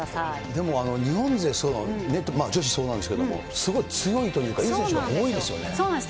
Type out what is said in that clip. でも日本勢、女子そうなんですけども、すごい強いというか、いい選手が多いでそうなんです。